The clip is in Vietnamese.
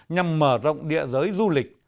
nhằm mở rộng địa giới du lịch